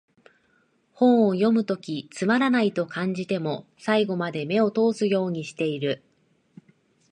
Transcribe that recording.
本を読むときつまらないと感じても、最後まで目を通すようにしてる